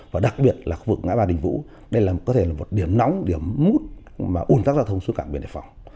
và đặc biệt là khu vực ngã ba đình vũ đây có thể là một điểm nóng điểm mút mà ủn tắc giao thông xuống cảng biển đề phòng